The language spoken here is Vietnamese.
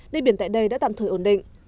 đề biển tại đây đã tạm thời ổn định